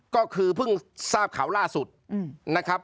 ก็คือเพิ่งทราบข่าวล่าสุดนะครับ